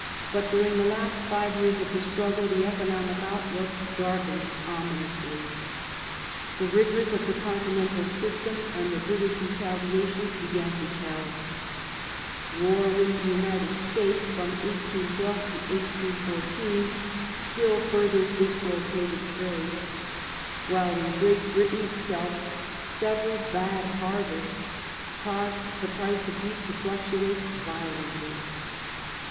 But during the last five yeai*s of the struggle the economic outlook dai'kened ominously. The rigours of the Continental System and the British retaliations began to tell ; war with the United States (1812 1814) still further dislocated trade ; while in Great Britain itself several bad harvests caused the price of wheat to fluctuate violently.